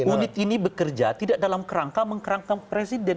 unit ini bekerja tidak dalam kerangka mengkerangkam presiden